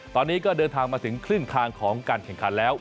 ตอนนี้ก็เดินทางมาถึงครึ่งทางของการแข่งขันแล้ว